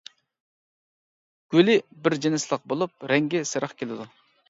گۈلى بىر جىنسلىق بولۇپ، رەڭگى سېرىق كېلىدۇ.